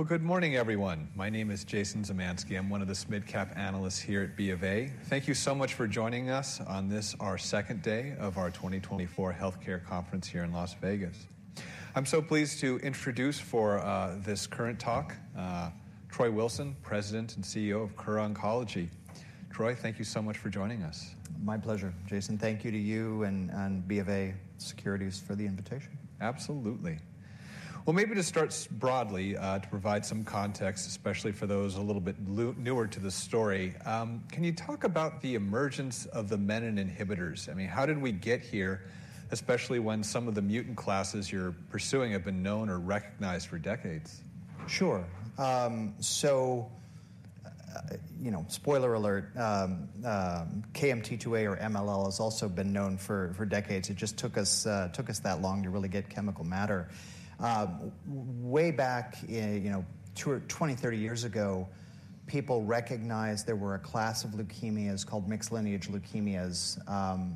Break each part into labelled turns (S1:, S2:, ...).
S1: Well, good morning, everyone. My name is Jason Zemansky. I'm one of the SMID Cap analysts here at B of A. Thank you so much for joining us on this our second day of our 2024 health care conference here in Las Vegas. I'm so pleased to introduce for this KURRENT talk Troy Wilson, President and CEO of Kura Oncology. Troy, thank you so much for joining us.
S2: My pleasure, Jason. Thank you to you and B of A Securities for the invitation.
S1: Absolutely. Well, maybe to start broadly, to provide some context, especially for those a little bit newer to the story, can you talk about the emergence of the menin inhibitors? I mean, how did we get here, especially when some of the mutant classes you're pursuing have been known or recognized for decades?
S2: Sure. So, spoiler alert, KMT2A or MLL has also been known for decades. It just took us that long to really get chemical matter. Way back 20, 30 years ago, people recognized there were a class of leukemias called mixed lineage leukemias.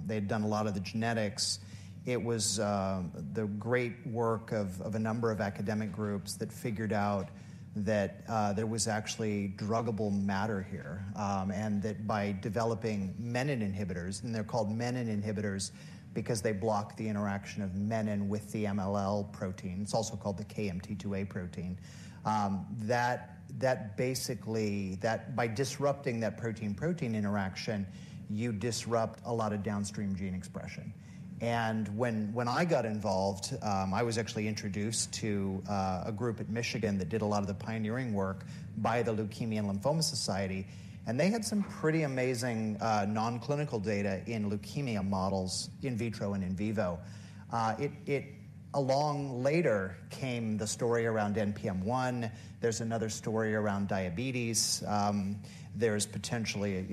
S2: They had done a lot of the genetics. It was the great work of a number of academic groups that figured out that there was actually druggable matter here and that by developing menin inhibitors and they're called menin inhibitors because they block the interaction of menin with the MLL protein. It's also called the KMT2A protein. That basically by disrupting that protein-protein interaction, you disrupt a lot of downstream gene expression. And when I got involved, I was actually introduced to a group at Michigan that did a lot of the pioneering work by the Leukemia and Lymphoma Society. And they had some pretty amazing nonclinical data in leukemia models in vitro and in vivo. A long time later came the story around NPM1. There's another story around diabetes. There's potentially,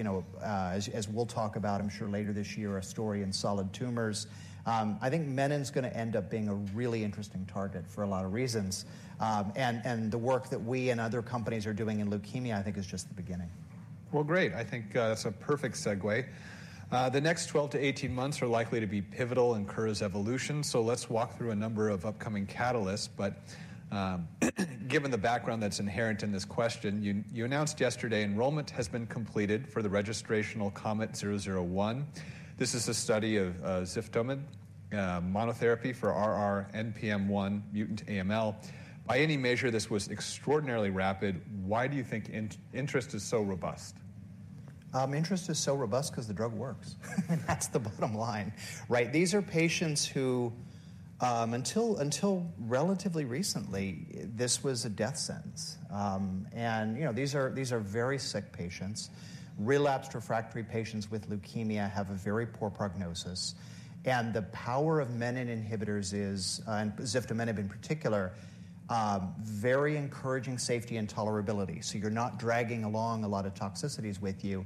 S2: as we'll talk about, I'm sure, later this year, a story in solid tumors. I think menin is going to end up being a really interesting target for a lot of reasons. And the work that we and other companies are doing in leukemia, I think, is just the beginning.
S1: Well, great. I think that's a perfect segue. The next 12-18 months are likely to be pivotal in Kura's evolution. So let's walk through a number of upcoming catalysts. But given the background that's inherent in this question, you announced yesterday enrollment has been completed for the registrational KOMET-001. This is a study of ziftomenib, monotherapy for R/R NPM1-mutant AML. By any measure, this was extraordinarily rapid. Why do you think interest is so robust?
S2: Interest is so robust because the drug works. That's the bottom line, right? These are patients who until relatively recently, this was a death sentence. These are very sick patients. Relapsed refractory patients with leukemia have a very poor prognosis. The power of menin inhibitors is, and ziftomenib in particular, very encouraging safety and tolerability. You're not dragging along a lot of toxicities with you.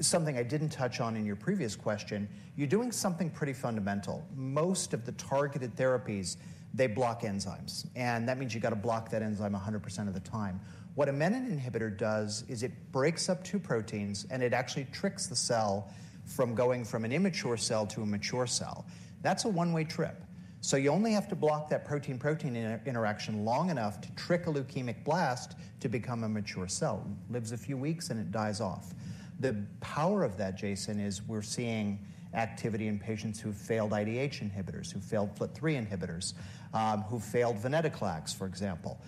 S2: Something I didn't touch on in your previous question, you're doing something pretty fundamental. Most of the targeted therapies, they block enzymes. That means you've got to block that enzyme 100% of the time. What a menin inhibitor does is it breaks up two proteins, and it actually tricks the cell from going from an immature cell to a mature cell. That's a one-way trip. So you only have to block that protein-protein interaction long enough to trick a leukemic blast to become a mature cell. It lives a few weeks, and it dies off. The power of that, Jason, is we're seeing activity in patients who've failed IDH inhibitors, who've failed FLT3 inhibitors, who've failed venetoclax, for example.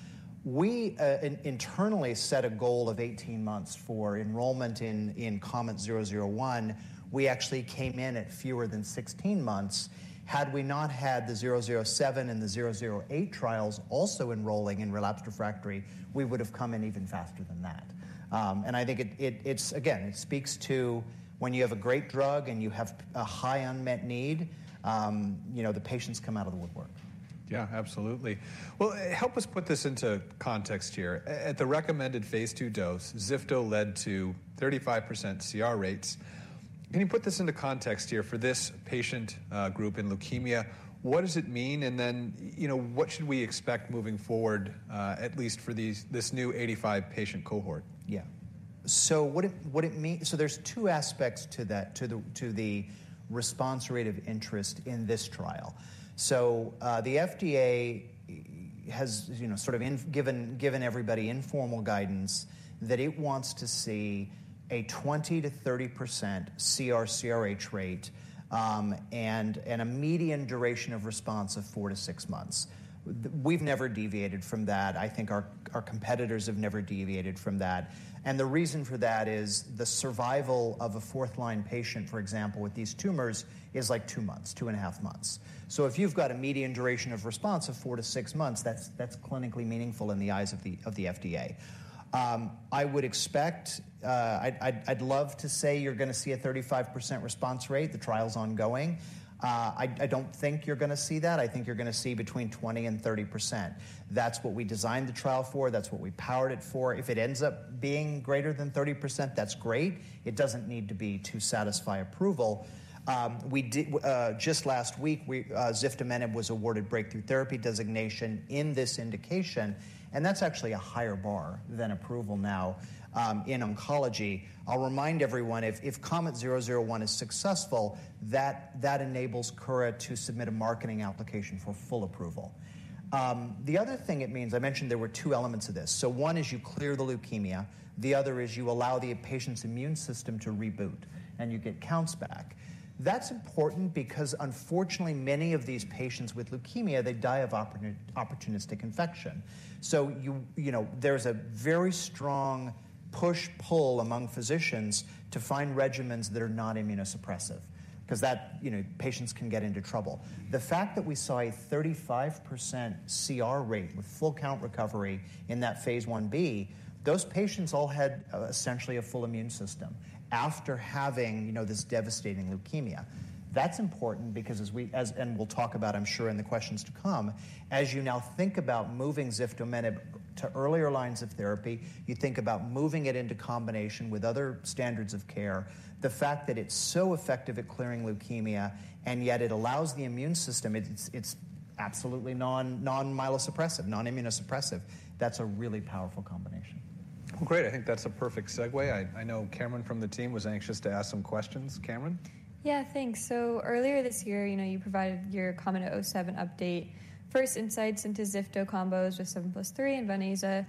S2: We internally set a goal of 18 months for enrollment in KOMET-001. We actually came in at fewer than 16 months. Had we not had the KOMET-007 and the KOMET-008 trials also enrolling in relapsed refractory, we would have come in even faster than that. And I think it's, again, it speaks to when you have a great drug and you have a high unmet need, the patients come out of the woodwork.
S1: Yeah, absolutely. Well, help us put this into context here. At the recommended phase 2 dose, ziftomenib led to 35% CR rates. Can you put this into context here for this patient group in leukemia? What does it mean? And then what should we expect moving forward, at least for this new 85-patient cohort?
S2: Yeah. So what it means so there's 2 aspects to the response rate of interest in this trial. So the FDA has sort of given everybody informal guidance that it wants to see a 20%-30% CR/CRh rate and a median duration of response of 4-6 months. We've never deviated from that. I think our competitors have never deviated from that. And the reason for that is the survival of a fourth-line patient, for example, with these tumors is like 2 months, 2.5 months. So if you've got a median duration of response of 4-6 months, that's clinically meaningful in the eyes of the FDA. I would expect I'd love to say you're going to see a 35% response rate. The trial's ongoing. I don't think you're going to see that. I think you're going to see between 20% and 30%. That's what we designed the trial for. That's what we powered it for. If it ends up being greater than 30%, that's great. It doesn't need to be to satisfy approval. Just last week, ziftomenib was awarded Breakthrough Therapy designation in this indication. And that's actually a higher bar than approval now in oncology. I'll remind everyone, if KOMET-001 is successful, that enables Kura to submit a marketing application for full approval. The other thing it means I mentioned there were two elements of this. So one is you clear the leukemia. The other is you allow the patient's immune system to reboot, and you get counts back. That's important because, unfortunately, many of these patients with leukemia, they die of opportunistic infection. So there's a very strong push-pull among physicians to find regimens that are not immunosuppressive because patients can get into trouble. The fact that we saw a 35% CR rate with full-count recovery in that phase 1b, those patients all had essentially a full immune system after having this devastating leukemia. That's important because, as we and we'll talk about, I'm sure, in the questions to come, as you now think about moving ziftomenib to earlier lines of therapy, you think about moving it into combination with other standards of care, the fact that it's so effective at clearing leukemia, and yet it allows the immune system, it's absolutely non-myelosuppressive, non-immunosuppressive. That's a really powerful combination.
S1: Well, great. I think that's a perfect segue. I know Cameron from the team was anxious to ask some questions. Cameron?
S3: Yeah, thanks. So earlier this year, you provided your KOMET-007 update. First insights into ziftomenib combos with 7+3 and Ven/Aza.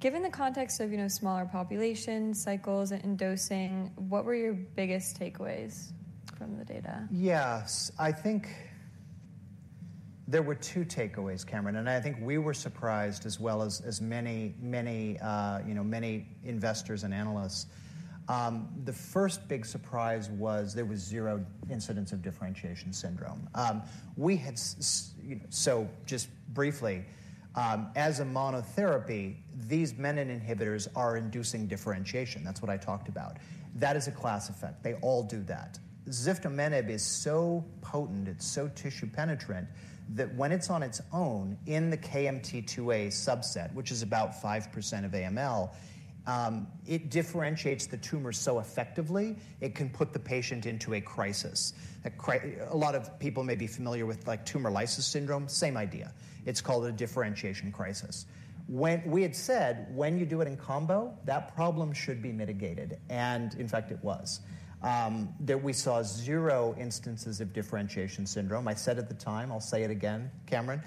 S3: Given the context of smaller populations, cycles, and dosing, what were your biggest takeaways from the data?
S2: Yes. I think there were two takeaways, Cameron. And I think we were surprised as well as many, many investors and analysts. The first big surprise was there was zero incidence of differentiation syndrome. So just briefly, as a monotherapy, these menin inhibitors are inducing differentiation. That's what I talked about. That is a class effect. They all do that. Ziftomenib is so potent, it's so tissue penetrant, that when it's on its own in the KMT2A subset, which is about 5% of AML, it differentiates the tumor so effectively, it can put the patient into a crisis. A lot of people may be familiar with tumor lysis syndrome. Same idea. It's called a differentiation crisis. We had said when you do it in combo, that problem should be mitigated. And in fact, it was. We saw zero instances of differentiation syndrome. I said at the time, I'll say it again, Cameron,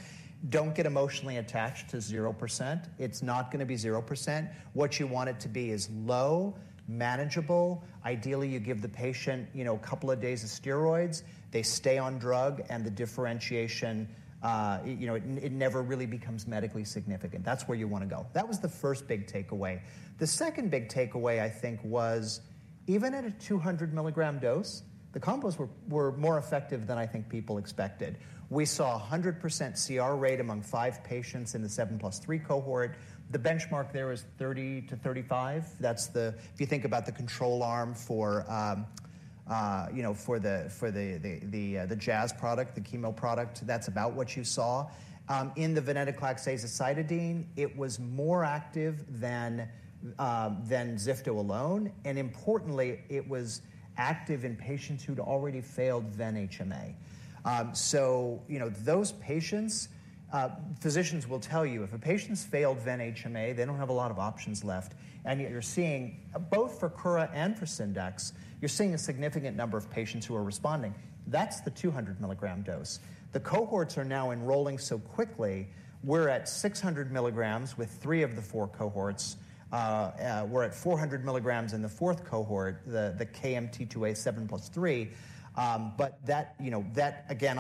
S2: don't get emotionally attached to 0%. It's not going to be 0%. What you want it to be is low, manageable. Ideally, you give the patient a couple of days of steroids. They stay on drug, and the differentiation, it never really becomes medically significant. That's where you want to go. That was the first big takeaway. The second big takeaway, I think, was even at a 200 milligram dose, the combos were more effective than I think people expected. We saw a 100% CR rate among 5 patients in the 7+3 cohort. The benchmark there was 30%-35%. That's the – if you think about the control arm for the Jazz product, the chemo product, that's about what you saw. In the venetoclax azacitidine, it was more active than ziftomenib alone. Importantly, it was active in patients who'd already failed venHMA. So those patients' physicians will tell you, if a patient's failed venHMA, they don't have a lot of options left. And you're seeing both for Kura and for Syndax, you're seeing a significant number of patients who are responding. That's the 200-milligram dose. The cohorts are now enrolling so quickly, we're at 600 milligrams with three of the four cohorts. We're at 400 milligrams in the fourth cohort, the KMT2A 7+3. But that, again,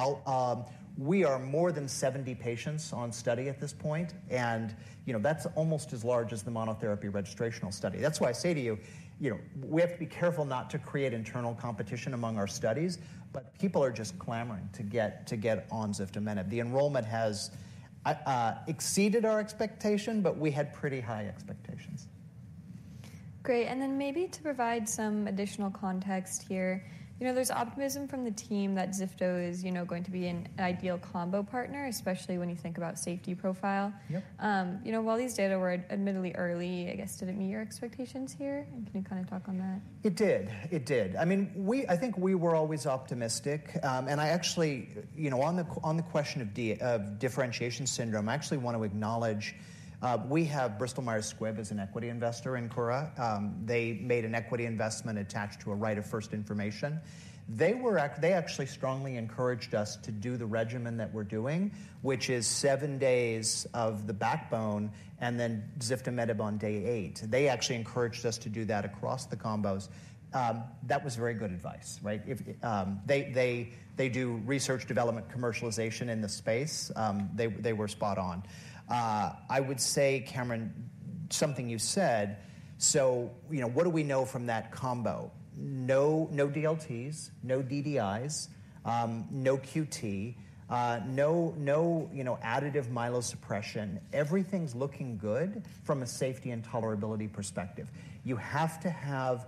S2: we are more than 70 patients on study at this point. And that's almost as large as the monotherapy registrational study. That's why I say to you, we have to be careful not to create internal competition among our studies. But people are just clamoring to get on ziftomenib. The enrollment has exceeded our expectation, but we had pretty high expectations.
S3: Great. And then maybe to provide some additional context here, there's optimism from the team that ziftomenib is going to be an ideal combo partner, especially when you think about safety profile. While these data were admittedly early, I guess, did it meet your expectations here? Can you kind of talk on that?
S2: It did. It did. I mean, I think we were always optimistic. And I actually, on the question of differentiation syndrome, I actually want to acknowledge we have Bristol Myers Squibb as an equity investor in Kura. They made an equity investment attached to a right of first information. They actually strongly encouraged us to do the regimen that we're doing, which is seven days of the backbone and then ziftomenib on day eight. They actually encouraged us to do that across the combos. That was very good advice, right? They do research, development, commercialization in the space. They were spot on. I would say, Cameron, something you said. So what do we know from that combo? No DLTs, no DDIs, no QT, no additive myelosuppression. Everything's looking good from a safety and tolerability perspective. You have to have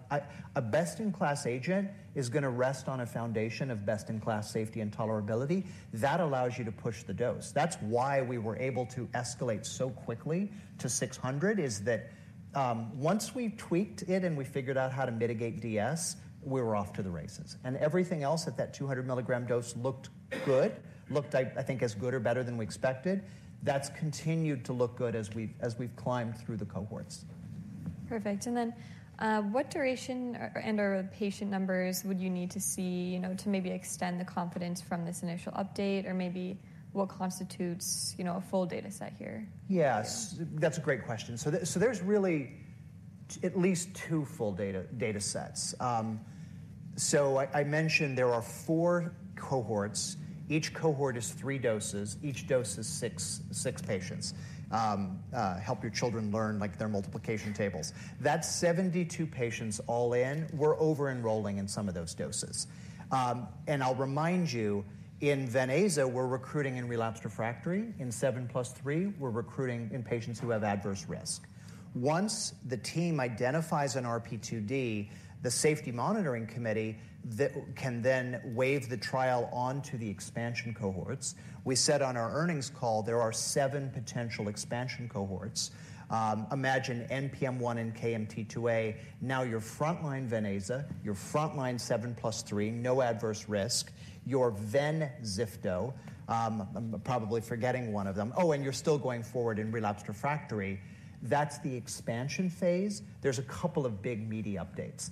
S2: a best-in-class agent is going to rest on a foundation of best-in-class safety and tolerability. That allows you to push the dose. That's why we were able to escalate so quickly to 600, is that once we tweaked it and we figured out how to mitigate DS, we were off to the races. And everything else at that 200 milligram dose looked good, looked, I think, as good or better than we expected. That's continued to look good as we've climbed through the cohorts.
S3: Perfect. And then what duration and/or patient numbers would you need to see to maybe extend the confidence from this initial update? Or maybe what constitutes a full data set here?
S2: Yes. That's a great question. So there's really at least 2 full data sets. So I mentioned there are 4 cohorts. Each cohort is 3 doses. Each dose is 6 patients. That's 72 patients all in. We're over-enrolling in some of those doses. And I'll remind you, in Ven/Aza, we're recruiting in relapsed/refractory. In 7+3, we're recruiting in patients who have adverse risk. Once the team identifies an RP2D, the safety monitoring committee can then waive the trial onto the expansion cohorts. We said on our earnings call, there are 7 potential expansion cohorts. Imagine NPM1 and KMT2A. Now you're frontline Ven/Aza, you're frontline 7+3, now adverse risk. You're Ven/Ziftomenib, probably forgetting one of them. Oh, and you're still going forward in relapsed/refractory. That's the expansion phase. There's a couple of major data updates.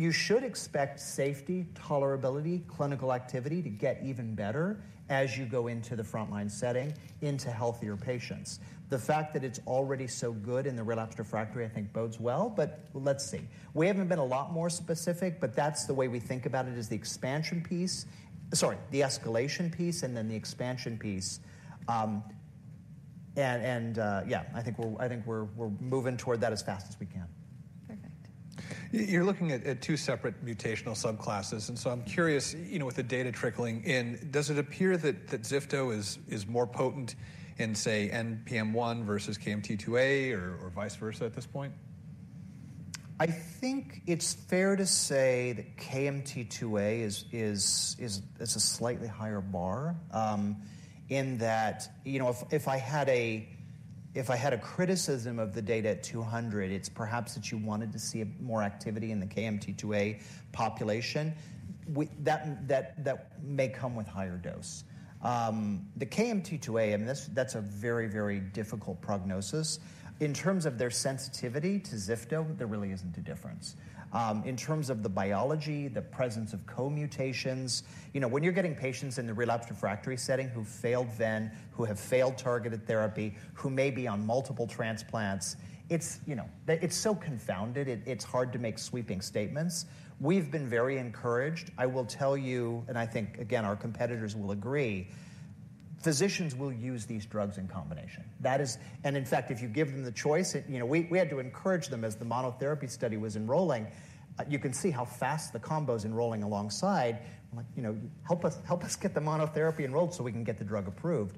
S2: You should expect safety, tolerability, clinical activity to get even better as you go into the frontline setting, into healthier patients. The fact that it's already so good in the relapsed refractory, I think, bodes well. But let's see. We haven't been a lot more specific, but that's the way we think about it, is the expansion piece sorry, the escalation piece and then the expansion piece. And yeah, I think we're moving toward that as fast as we can.
S3: Perfect.
S1: You're looking at two separate mutational subclasses. And so I'm curious, with the data trickling in, does it appear that ziftomenib is more potent in, say, NPM1 versus KMT2A or vice versa at this point?
S2: I think it's fair to say that KMT2A is a slightly higher bar in that if I had a criticism of the data at 200, it's perhaps that you wanted to see more activity in the KMT2A population. That may come with higher dose. The KMT2A, I mean, that's a very, very difficult prognosis. In terms of their sensitivity to ziftomenib, there really isn't a difference. In terms of the biology, the presence of co-mutations, when you're getting patients in the relapsed refractory setting who failed Ven, who have failed targeted therapy, who may be on multiple transplants, it's so confounded. It's hard to make sweeping statements. We've been very encouraged. I will tell you, and I think, again, our competitors will agree, physicians will use these drugs in combination. And in fact, if you give them the choice we had to encourage them as the monotherapy study was enrolling. You can see how fast the combo's enrolling alongside. Help us get the monotherapy enrolled so we can get the drug approved.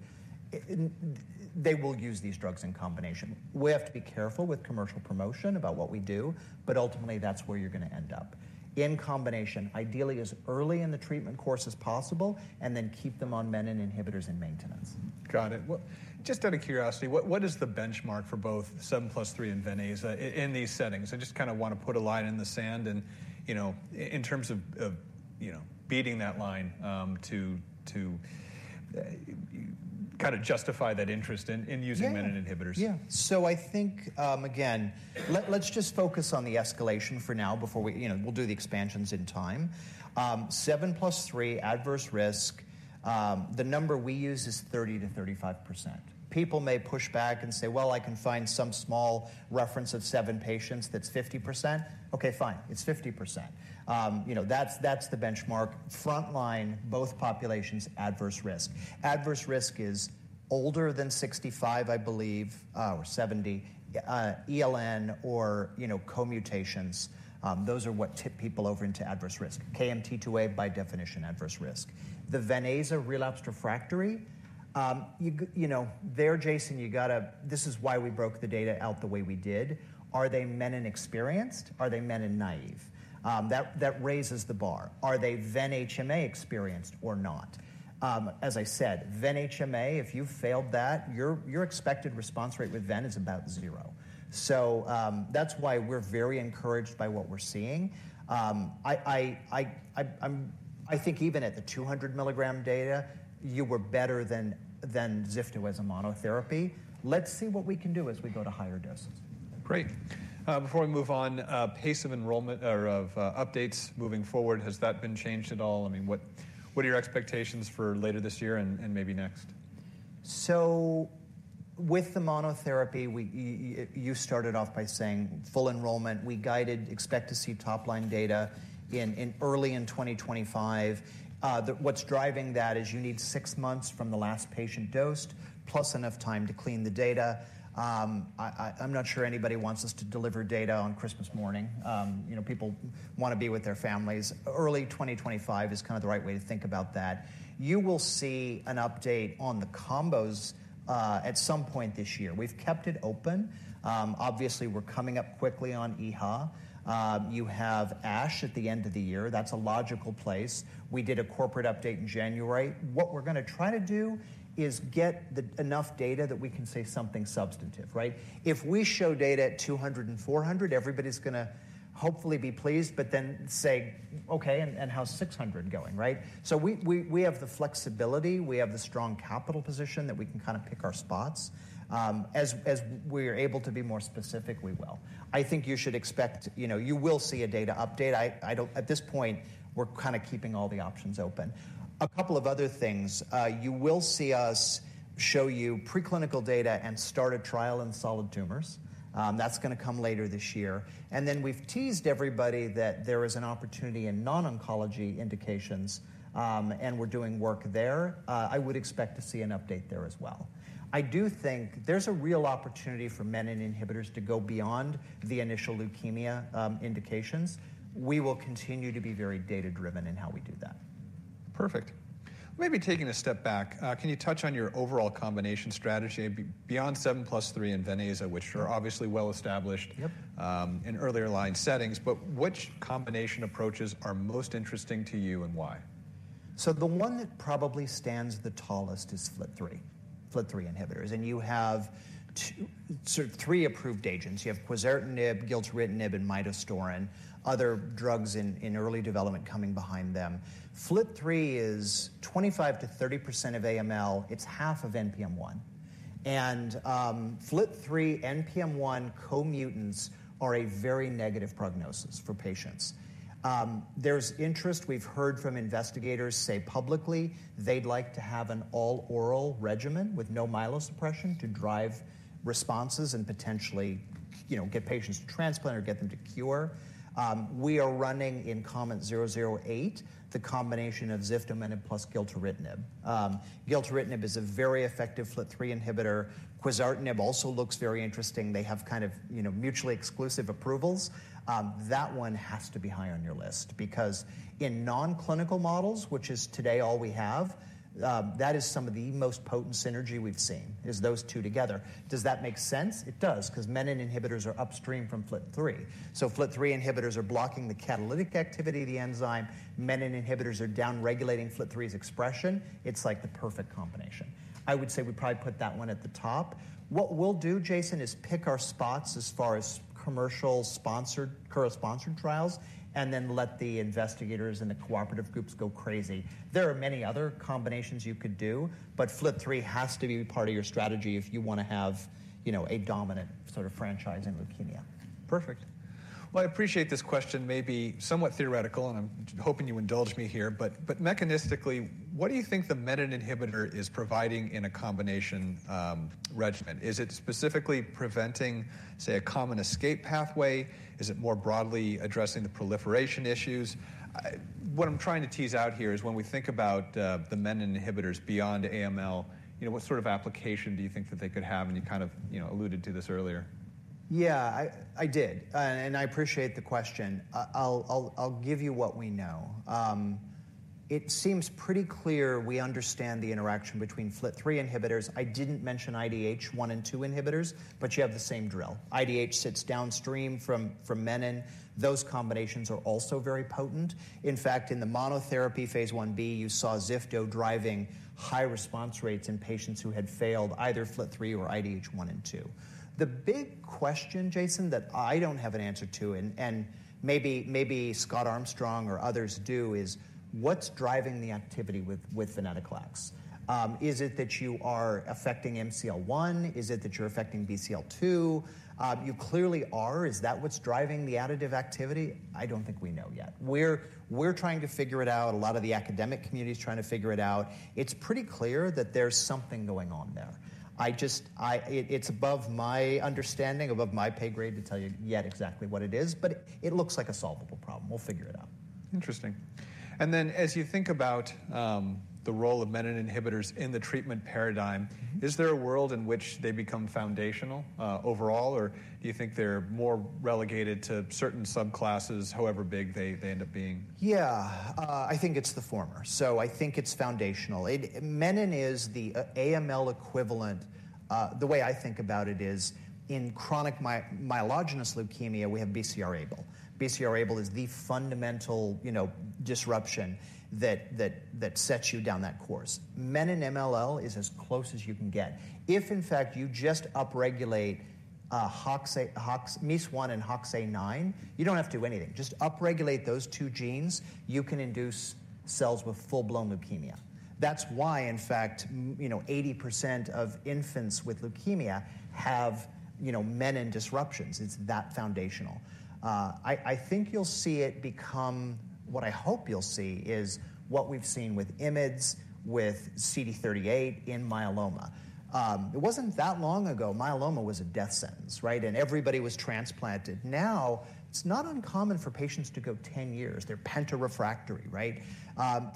S2: They will use these drugs in combination. We have to be careful with commercial promotion about what we do. But ultimately, that's where you're going to end up. In combination, ideally as early in the treatment course as possible, and then keep them on menin inhibitors in maintenance.
S1: Got it. Well, just out of curiosity, what is the benchmark for both 7+3 and Ven/Aza in these settings? I just kind of want to put a line in the sand in terms of beating that line to kind of justify that interest in using menin inhibitors.
S2: Yeah. So I think, again, let's just focus on the escalation for now before we'll do the expansions in time. 7+3, adverse risk, the number we use is 30%-35%. People may push back and say, well, I can find some small reference of seven patients that's 50%. OK, fine. It's 50%. That's the benchmark. Frontline, both populations, adverse risk. Adverse risk is older than 65, I believe, or 70, ELN or co-mutations. Those are what tip people over into adverse risk. KMT2A, by definition, adverse risk. The Ven/Aza relapsed refractory, there, Jason, you got to this is why we broke the data out the way we did. Are they menin experienced? Are they menin naive? That raises the bar. Are they ven/HMA experienced or not? As I said, ven/HMA, if you've failed that, your expected response rate with Ven is about zero. So that's why we're very encouraged by what we're seeing. I think even at the 200 milligram data, you were better than ziftomenib as a monotherapy. Let's see what we can do as we go to higher doses.
S1: Great. Before we move on, pace of enrollment or of updates moving forward, has that been changed at all? I mean, what are your expectations for later this year and maybe next?
S2: With the monotherapy, you started off by saying full enrollment. We guided expect to see topline data early in 2025. What's driving that is you need six months from the last patient dosed plus enough time to clean the data. I'm not sure anybody wants us to deliver data on Christmas morning. People want to be with their families. Early 2025 is kind of the right way to think about that. You will see an update on the combos at some point this year. We've kept it open. Obviously, we're coming up quickly on EHA. You have ASH at the end of the year. That's a logical place. We did a corporate update in January. What we're going to try to do is get enough data that we can say something substantive, right? If we show data at 200 and 400, everybody's going to hopefully be pleased, but then say, OK, and how's 600 going, right? So we have the flexibility. We have the strong capital position that we can kind of pick our spots. As we're able to be more specific, we will. I think you should expect you will see a data update. At this point, we're kind of keeping all the options open. A couple of other things. You will see us show you preclinical data and start a trial in solid tumors. That's going to come later this year. And then we've teased everybody that there is an opportunity in non-oncology indications, and we're doing work there. I would expect to see an update there as well. I do think there's a real opportunity for menin inhibitors to go beyond the initial leukemia indications. We will continue to be very data-driven in how we do that.
S1: Perfect. Maybe taking a step back, can you touch on your overall combination strategy beyond 7+3 and Ven/Aza, which are obviously well-established in earlier line settings? But which combination approaches are most interesting to you and why?
S2: So the one that probably stands the tallest is FLT3, FLT3 inhibitors. And you have sort of three approved agents. You have quizartinib, gilteritinib, and midostaurin, other drugs in early development coming behind them. FLT3 is 25%-30% of AML. It's half of NPM1. And FLT3, NPM1 co-mutants are a very negative prognosis for patients. There's interest. We've heard from investigators, say publicly, they'd like to have an all-oral regimen with no myelosuppression to drive responses and potentially get patients to transplant or get them to cure. We are running in KOMET-008, the combination of ziftomenib plus gilteritinib. Gilteritinib is a very effective FLT3 inhibitor. Quizartinib also looks very interesting. They have kind of mutually exclusive approvals. That one has to be high on your list because in non-clinical models, which is today all we have, that is some of the most potent synergy we've seen, is those two together. Does that make sense? It does because menin inhibitors are upstream from FLT3. So FLT3 inhibitors are blocking the catalytic activity of the enzyme. Menin inhibitors are downregulating FLT3's expression. It's like the perfect combination. I would say we'd probably put that one at the top. What we'll do, Jason, is pick our spots as far as commercial, company-sponsored trials and then let the investigators and the cooperative groups go crazy. There are many other combinations you could do, but FLT3 has to be part of your strategy if you want to have a dominant sort of franchise in leukemia.
S1: Perfect. Well, I appreciate this question, maybe somewhat theoretical, and I'm hoping you indulge me here. But mechanistically, what do you think the menin inhibitor is providing in a combination regimen? Is it specifically preventing, say, a common escape pathway? Is it more broadly addressing the proliferation issues? What I'm trying to tease out here is when we think about the menin inhibitors beyond AML, what sort of application do you think that they could have? And you kind of alluded to this earlier.
S2: Yeah, I did. And I appreciate the question. I'll give you what we know. It seems pretty clear we understand the interaction between FLT3 inhibitors. I didn't mention IDH1 and IDH2 inhibitors, but you have the same drill. IDH sits downstream from menin. Those combinations are also very potent. In fact, in the monotherapy phase 1b, you saw ziftomenib driving high response rates in patients who had failed either FLT3 or IDH1 and IDH2. The big question, Jason, that I don't have an answer to, and maybe Scott Armstrong or others do, is what's driving the activity with venetoclax? Is it that you are affecting MCL1? Is it that you're affecting BCL2? You clearly are. Is that what's driving the additive activity? I don't think we know yet. We're trying to figure it out. A lot of the academic community is trying to figure it out. It's pretty clear that there's something going on there. It's above my understanding, above my pay grade to tell you yet exactly what it is. But it looks like a solvable problem. We'll figure it out.
S1: Interesting. And then as you think about the role of menin inhibitors in the treatment paradigm, is there a world in which they become foundational overall? Or do you think they're more relegated to certain subclasses, however big they end up being?
S2: Yeah, I think it's the former. So I think it's foundational. Menin is the AML equivalent the way I think about it is in chronic myelogenous leukemia, we have BCR-ABL. BCR-ABL is the fundamental disruption that sets you down that course. Menin MLL is as close as you can get. If, in fact, you just upregulate MEIS1 and HOXA9, you don't have to do anything. Just upregulate those two genes, you can induce cells with full-blown leukemia. That's why, in fact, 80% of infants with leukemia have menin disruptions. It's that foundational. I think you'll see it become what I hope you'll see is what we've seen with IMiDs, with CD38 in myeloma. It wasn't that long ago. Myeloma was a death sentence, right? And everybody was transplanted. Now, it's not uncommon for patients to go 10 years. They're pentarefractory, right?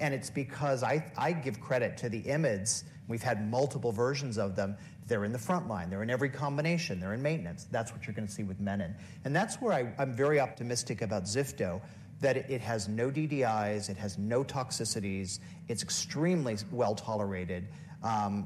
S2: It's because I give credit to the IMiDs we've had multiple versions of them they're in the frontline. They're in every combination. They're in maintenance. That's what you're going to see with menin. And that's where I'm very optimistic about ziftomenib, that it has no DDIs. It has no toxicities. It's extremely well-tolerated.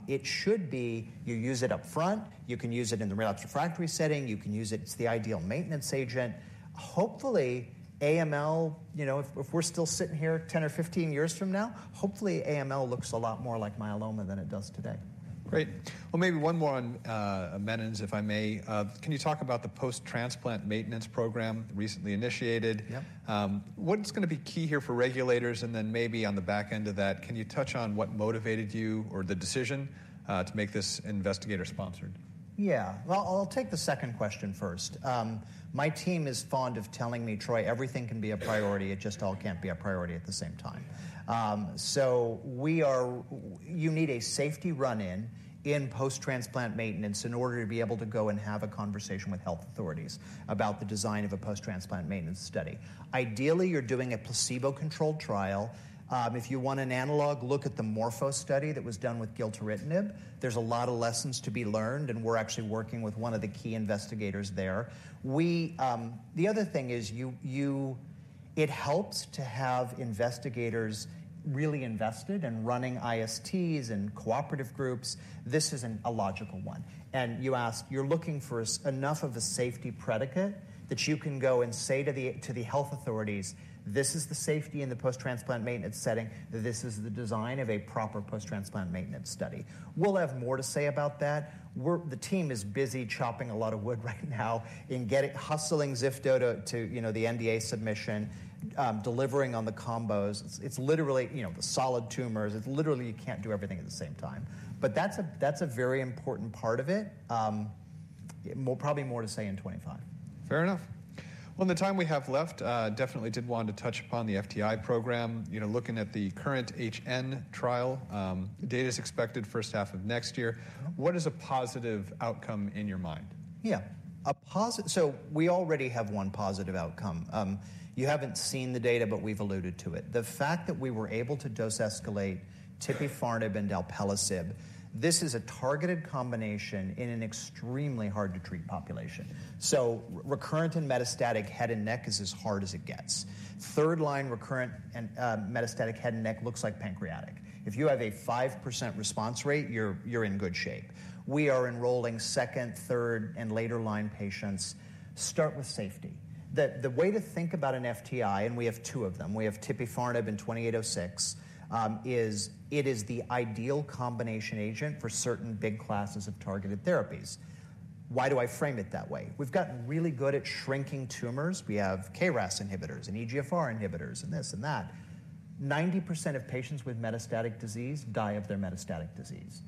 S2: It should be you use it up front. You can use it in the relapsed/refractory setting. You can use it. It's the ideal maintenance agent. Hopefully, AML if we're still sitting here 10 or 15 years from now, hopefully, AML looks a lot more like myeloma than it does today.
S1: Great. Well, maybe one more on menin, if I may. Can you talk about the post-transplant maintenance program recently initiated? What's going to be key here for regulators? And then maybe on the back end of that, can you touch on what motivated you or the decision to make this investigator-sponsored?
S2: Yeah. Well, I'll take the second question first. My team is fond of telling me, Troy, everything can be a priority. It just all can't be a priority at the same time. So you need a safety run-in in post-transplant maintenance in order to be able to go and have a conversation with health authorities about the design of a post-transplant maintenance study. Ideally, you're doing a placebo-controlled trial. If you want an analog, look at the Morpho study that was done with gilteritinib. There's a lot of lessons to be learned. And we're actually working with one of the key investigators there. The other thing is it helps to have investigators really invested in running ISTs and cooperative groups. This isn't a logical one. You asked you're looking for enough of a safety predicate that you can go and say to the health authorities, this is the safety in the post-transplant maintenance setting. This is the design of a proper post-transplant maintenance study. We'll have more to say about that. The team is busy chopping a lot of wood right now in hustling ziftomenib to the NDA submission, delivering on the combos. It's literally the solid tumors. It's literally you can't do everything at the same time. But that's a very important part of it. Probably more to say in 2025.
S1: Fair enough. Well, in the time we have left, I definitely did want to touch upon the FTI program. Looking at the KURRENT-HN trial, data is expected for a half of next year. What is a positive outcome in your mind?
S2: Yeah. So we already have one positive outcome. You haven't seen the data, but we've alluded to it. The fact that we were able to dose escalate tipifarnib and alpelisib, this is a targeted combination in an extremely hard-to-treat population. So recurrent and metastatic head and neck is as hard as it gets. Third-line recurrent and metastatic head and neck looks like pancreatic. If you have a 5% response rate, you're in good shape. We are enrolling second, third, and later-line patients. Start with safety. The way to think about an FTI and we have two of them. We have tipifarnib and KO-2806 is it is the ideal combination agent for certain big classes of targeted therapies. Why do I frame it that way? We've gotten really good at shrinking tumors. We have KRAS inhibitors and EGFR inhibitors and this and that. 90% of patients with metastatic disease die of their metastatic disease.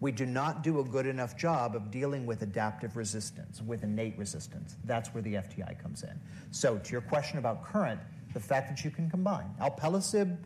S2: We do not do a good enough job of dealing with adaptive resistance, with innate resistance. That's where the FTI comes in. So to your question about tipifarnib, the fact that you can combine alpelisib,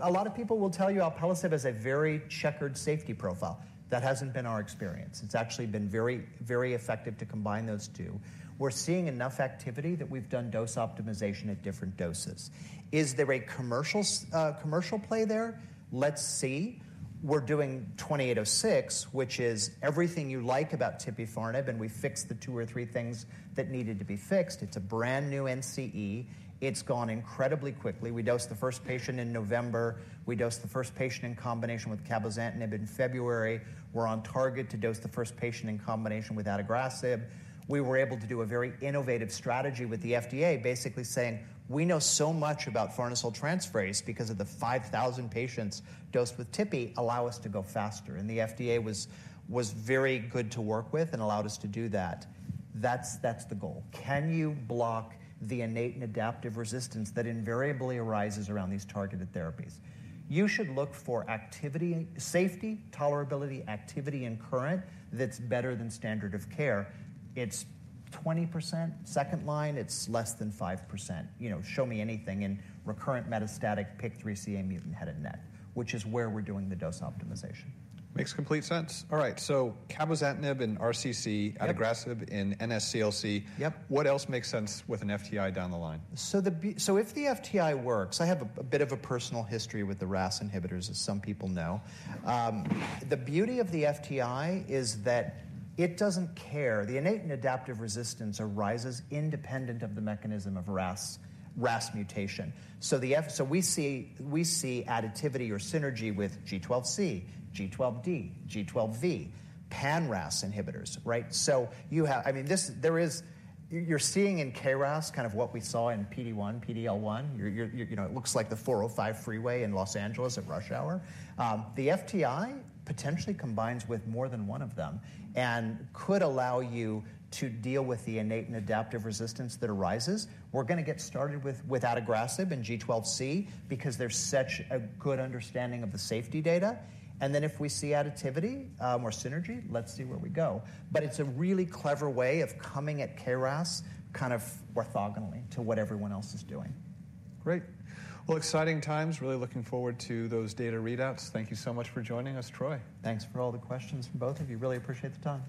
S2: a lot of people will tell you alpelisib has a very checkered safety profile. That hasn't been our experience. It's actually been very, very effective to combine those two. We're seeing enough activity that we've done dose optimization at different doses. Is there a commercial play there? Let's see. We're doing 2806, which is everything you like about tipifarnib. And we fixed the two or three things that needed to be fixed. It's a brand new NCE. It's gone incredibly quickly. We dosed the first patient in November. We dosed the first patient in combination with cabozantinib in February. We're on target to dose the first patient in combination with adagrasib. We were able to do a very innovative strategy with the FDA, basically saying, we know so much about farnesyl transferase because of the 5,000 patients dosed with tipifarnib allow us to go faster. And the FDA was very good to work with and allowed us to do that. That's the goal. Can you block the innate and adaptive resistance that invariably arises around these targeted therapies? You should look for safety, tolerability, activity in current that's better than standard of care. It's 20% second-line. It's less than 5%. Show me anything. And recurrent metastatic PIK3CA mutant head and neck, which is where we're doing the dose optimization.
S1: Makes complete sense. All right. So cabozantinib and RCC, adagrasib, and NSCLC. What else makes sense with an FTI down the line?
S2: So if the FTI works, I have a bit of a personal history with the RAS inhibitors, as some people know. The beauty of the FTI is that it doesn't care. The innate and adaptive resistance arises independent of the mechanism of RAS mutation. So we see additivity or synergy with G12C, G12D, G12V, pan-RAS inhibitors, right? So you have, I mean, there is, you're seeing in KRAS kind of what we saw in PD1, PDL1. It looks like the 405 freeway in Los Angeles at rush hour. The FTI potentially combines with more than one of them and could allow you to deal with the innate and adaptive resistance that arises. We're going to get started with adagrasib and G12C because there's such a good understanding of the safety data. And then if we see additivity or synergy, let's see where we go. But it's a really clever way of coming at KRAS kind of orthogonally to what everyone else is doing.
S1: Great. Well, exciting times. Really looking forward to those data readouts. Thank you so much for joining us, Troy.
S2: Thanks for all the questions from both of you. Really appreciate the time.